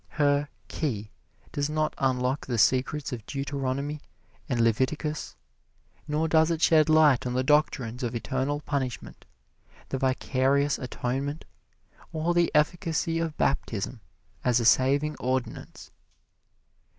Her "Key" does not unlock the secrets of Deuteronomy and Leviticus, nor does it shed light on the doctrines of eternal punishment, the vicarious atonement, or the efficacy of baptism as a saving ordinance.